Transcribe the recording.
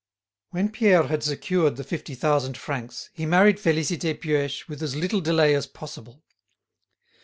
When Pierre had secured the fifty thousand francs he married Félicité Puech with as little delay as possible.